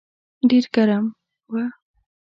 ډېر ګرم و.